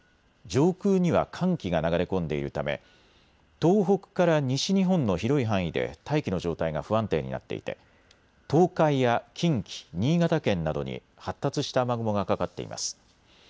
上空には寒気が流れ込んでいるため東北から西日本の広い範囲で大気の状態が不安定になっていて東海や近畿、新潟県などに発達した雨雲がかかっています。